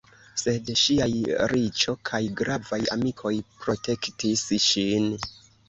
Sed ŝiaj riĉo kaj gravaj amikoj protektis ŝin.